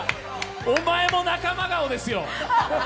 お前も仲間顔ですよ。